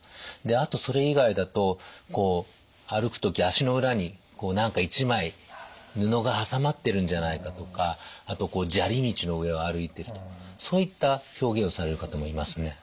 あとそれ以外だと歩く時足の裏に何か１枚布が挟まってるんじゃないかとかあと砂利道の上を歩いてるとそういった表現をされる方もいますね。